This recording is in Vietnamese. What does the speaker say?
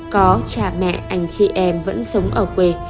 có cha mẹ anh chị em vẫn sống ở quê